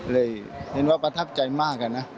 เลยเห็นว่าประทับใจมากอะนะ